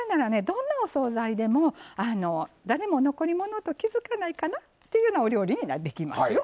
どんなお総菜でも誰も残り物と気付かないかなというようなお料理ができますよ。